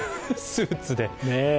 スーツで。